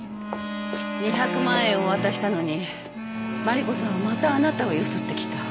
２００万円を渡したのに麻里子さんはまたあなたをゆすってきた。